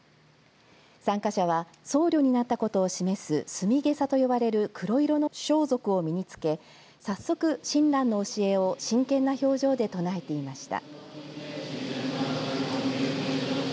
参加者は僧侶になったことを示す墨袈裟と呼ばれる黒色の装束を身に着け早速、親鸞の教えを真剣な表情で唱えていました。